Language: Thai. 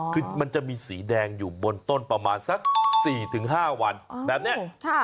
คือมันจะมีสีแดงอยู่บนต้นประมาณสัก๔๕วันแบบนี้